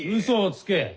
嘘をつけ。